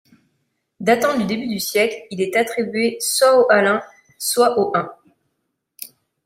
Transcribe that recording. Datant du début du siècle, il est attribué soit aux Alains, soit aux Huns.